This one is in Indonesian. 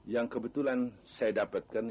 yang kebetulan saya dapatkan